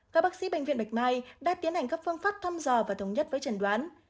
các bác sĩ bệnh viện bạch mai đã tiến hành các phương pháp thăm dò và thống nhất với trần đoán